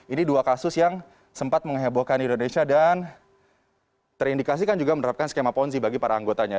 ini dua kasus yang sempat menghebohkan indonesia dan terindikasikan juga menerapkan skema ponzi bagi para anggotanya